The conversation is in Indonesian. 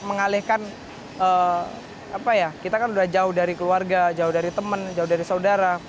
mengalihkan apa ya kita kan udah jauh dari keluarga jauh dari teman jauh dari saudara